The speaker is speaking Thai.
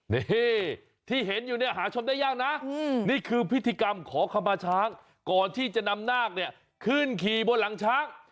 นี่ที่เห็นอยู่เนี่ยหาชมได้ยากนะนี่คือพิธีกรรมขอขมาช้างก่อนที่จะนำนาคเนี่ยขึ้นขี่บนหลังช้าง